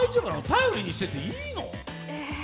頼りにしてていいの？